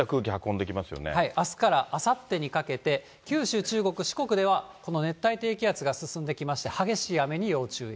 あすからあさってにかけて、九州、中国、四国ではこの熱帯低気圧が進んできまして、激しい雨に要注意。